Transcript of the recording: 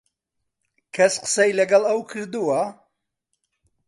کەس قسەی لەگەڵ ئەو کردووە؟